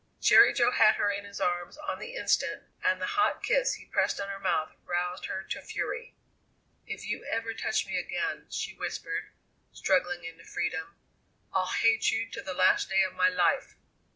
Jerry Jo had her in his arms on the instant, and the hot kiss he pressed on her mouth roused her to fury. "If you ever touch me again," she whispered, struggling into freedom, "I'll hate you to the last day of my life!"